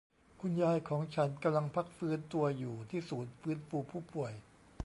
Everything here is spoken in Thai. คุณยายของฉันกำลังพักฟื้นตัวอยู่ที่ศูนย์ฟื้นฟูผู้ป่วย